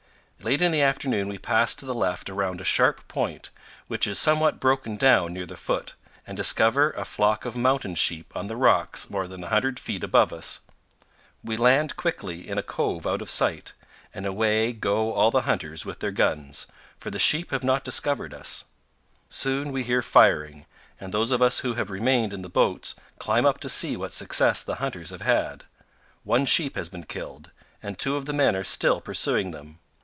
Late in the afternoon we pass to the left around a sharp point, which is somewhat broken down near the foot, and discover a flock of mountain sheep on the rocks more than a hundred feet above us. We land quickly in a cove out of sight, and away go all the hunters with their guns, for the sheep have not discovered us. Soon we hear firing, and those of us who have remained in the boats climb up to see what success the hunters have had. One sheep has been killed, and two of the men are still pursuing them.